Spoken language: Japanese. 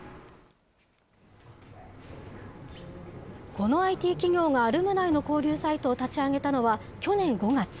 このＩＴ企業がアルムナイの交流サイトを立ち上げたのは去年５月。